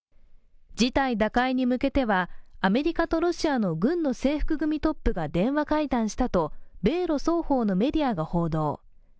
事態打開に向けては、アメリカとロシアの軍の制服組トップが電話会談したと米ロ双方のメディアが報道。